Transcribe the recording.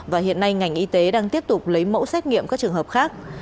và hiện nay ngành y tế đang tiếp tục lấy mẫu xét nghiệm các trường hợp khác